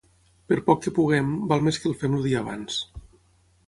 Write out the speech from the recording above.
Per poc que puguem, val més que el fem el dia abans.